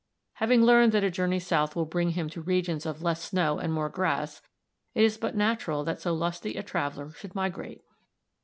Having learned that a journey south will bring him to regions of less snow and more grass, it is but natural that so lusty a traveler should migrate.